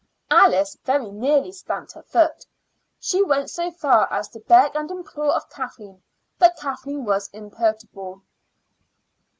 Alice very nearly stamped her foot. She went so far as to beg and implore of Kathleen, but Kathleen was imperturbable.